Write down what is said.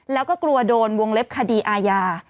แล้วก็กลัวโดนวงเล็บคดีอาญา